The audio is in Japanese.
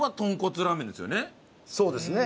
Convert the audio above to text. そうですね。